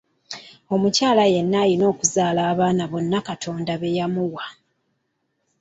Omukyala yenna alina okuzaala abaana bonna Katonda be yamuwa.